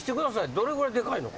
どれぐらいでかいのか。